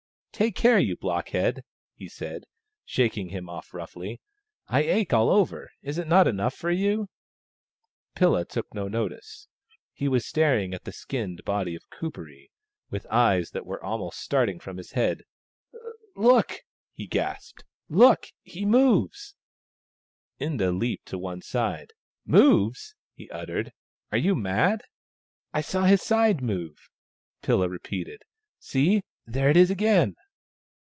" Take care, blockhead !" he said, shaking him off roughly. " I ache all over — is it not enough for you ?" Pilla took no notice. He wa^ staring at the skinned body of Kuperee, with eyes that were almost starting from his head. " Look !" he gasped. " Look ! He moves !" Inda leaped to one side. " Moves !" he uttered. " Are you mad ?"" I saw his side move," Pilla repeated. " See — there it is again